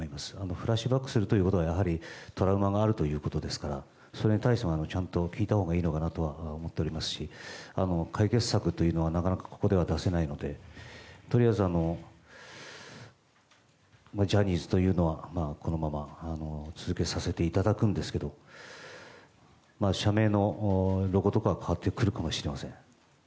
フラッシュバックするということはやはりトラウマがあるということですからそれに対してもちゃんと聞いたほうがいいのかなとは思っておりますし解決策というのはなかなかここでは出せないのでとりあえずジャニーズというのはこのまま続けさせていただくんですけど社名のロゴとかは変わってくるかもしれません。